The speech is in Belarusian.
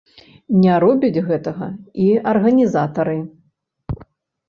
Не робяць гэтага і арганізатары.